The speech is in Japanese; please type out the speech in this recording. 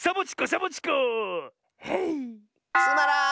つまらん！